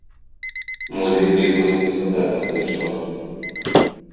Мо лепей бы гаспадарка пайшла?